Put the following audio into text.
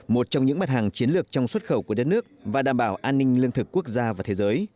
một trong những mặt hàng chiến lược trong xuất khẩu của đất nước và đảm bảo an ninh lương thực quốc gia và thế giới